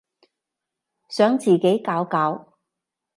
想自己搞搞